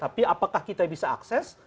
tapi apakah kita bisa akses